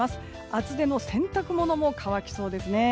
厚手の洗濯物も乾きそうですね。